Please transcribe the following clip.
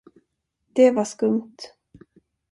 Det var skumt.